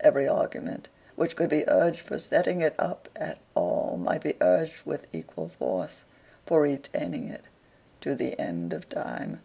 Every argument which could be urged for setting it up at all might be urged with equal force for retaining it to the end of time.